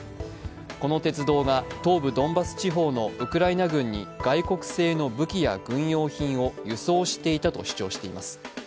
この鉄道が東部ドンバス地方のウクライナ軍に外国製の武器や軍用品を輸送していたと主張しています。